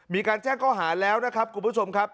มีการแจ้งข้อหาแล้วนะครับคุณผู้ชมครับ